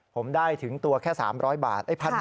ผมได้ถึงตัวแค่๓๐๐บาท